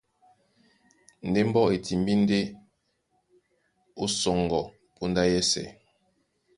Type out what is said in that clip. Ndé mbɔ́ e timbí ndé ó sɔŋgɔ póndá yɛ́sɛ̄.